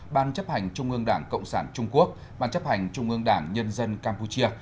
ban chấp hành trung ương đảng cộng sản trung quốc ban chấp hành trung ương đảng nhân dân campuchia